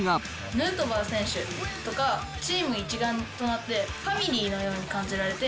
ヌートバー選手とか、チーム一丸となって、ファミリーのように感じられて。